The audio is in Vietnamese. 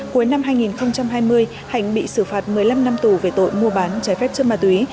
cuối năm hai nghìn hai mươi hạnh bị xử phạt một mươi năm năm tù về tội mua bán trái phép chất ma túy